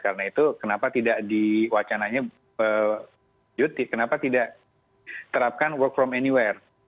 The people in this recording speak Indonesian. karena itu kenapa tidak diwacananya kenapa tidak terapkan work from anywhere